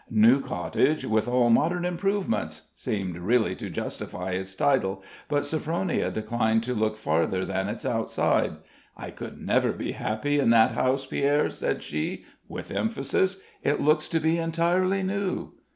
"New Cottage, with all modern improvements," seemed really to justify its title; but Sophronia declined to look farther than its outside. "I could never be happy in that house, Pierre," said she, with emphasis; "it looks to be entirely new."